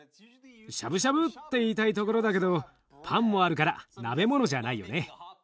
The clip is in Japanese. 「しゃぶしゃぶ？」って言いたいところだけどパンもあるから鍋物じゃないよね。